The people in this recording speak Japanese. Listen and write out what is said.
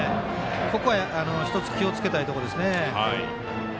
ここはひとつ気をつけたいところですね。